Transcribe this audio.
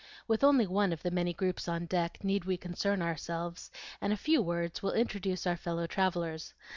With only one of the many groups on the deck need we concern ourselves, and a few words will introduce our fellow travellers.